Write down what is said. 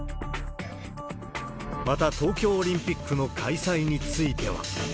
また、東京オリンピックの開催については。